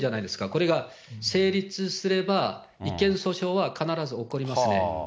これが成立すれば、違憲訴訟は必ず起こりますね。